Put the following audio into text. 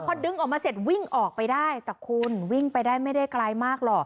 พอดึงออกมาเสร็จวิ่งออกไปได้แต่คุณวิ่งไปได้ไม่ได้ไกลมากหรอก